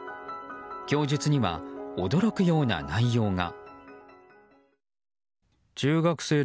供述には驚くような内容が。